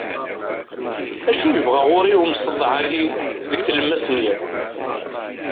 acu yebɣa ɣur-i umseḍḍeɛ-agi deg tlemmast n yiḍ